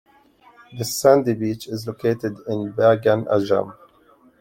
This sandy beach is located in Bagan Ajam.